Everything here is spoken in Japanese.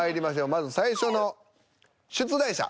まず最初の出題者